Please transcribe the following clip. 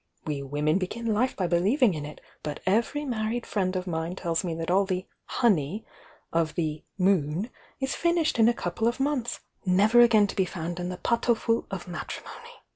We women begin life by believing in It; but every married friend of mine tells me that all the 'honey' of the 'moon' is finished in a couple of months, never again to be found in the pot au feu of matrimony!